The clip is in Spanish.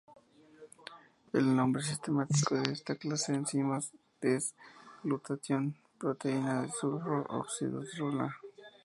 El nombre sistemático de esta clase de enzimas es glutatión:proteína-disulfuro oxidorreductasa.